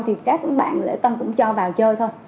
thì các bạn lễ tân cũng cho vào chơi thôi